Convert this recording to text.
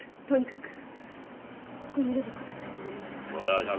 とにかくここにいれば小滝さんにご迷惑が。